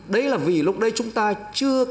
đấy là vì lúc đấy chúng ta chưa